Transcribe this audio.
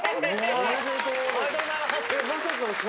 おめでとうございます